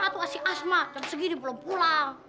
kamu masih asma jam segini belum pulang